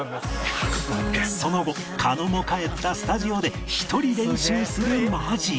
その後狩野も帰ったスタジオで一人練習するマジー